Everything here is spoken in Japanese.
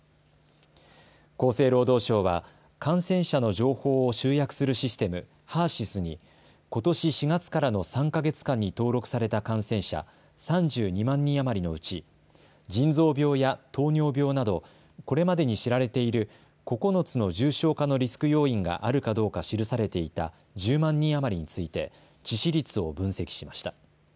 厚生労働省は感染者の情報を集約するシステム、ＨＥＲ−ＳＹＳにことし４月からの３か月間に登録された感染者３２万人余りのうち腎臓病や糖尿病などこれまでに知られている９つの重症化のリスク要因があるかどうか記されていた１０万人余りについて致死率を分析しました。